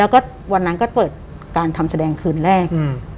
วันนั้นก็เปิดการทำแสดงคืนแรก